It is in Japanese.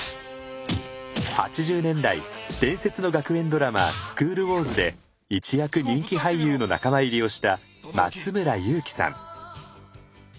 ８０年代伝説の学園ドラマ「スクール☆ウォーズ」で一躍人気俳優の仲間入りをした松村雄基さん。